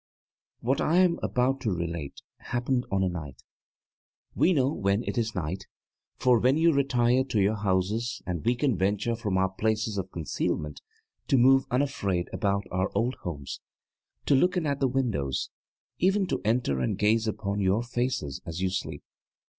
What I am about to relate happened on a night. We know when it is night, for then you retire to your houses and we can venture from our places of concealment to move unafraid about our old homes, to look in at the windows, even to enter and gaze upon your faces as you sleep.